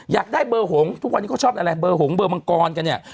อยากได้เบอร์หงทุกวันนี้เขาชอบอะไรเบอร์หงเบอร์มังกรกันเนี่ย